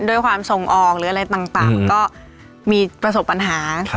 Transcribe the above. ด้วยความส่งออกหรืออะไรต่างก็มีประสบปัญหา